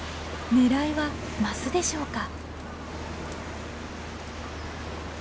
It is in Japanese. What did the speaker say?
狙いはマスでしょうか？